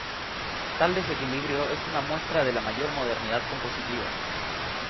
Tal desequilibrio es una muestra de la mayor modernidad compositiva.